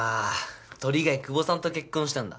鳥貝久保さんと結婚したんだ。